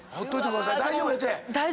大丈夫やって。